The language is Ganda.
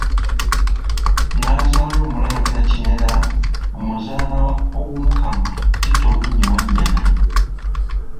N'azaala omulangira Kimera mu muzaana wa Omukama Tito Winyi Wanyana.